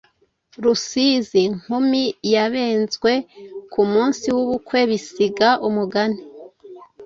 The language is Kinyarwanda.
Rusizi nkumi yabenzwe ku munsi w’ubukwe bisiga umugani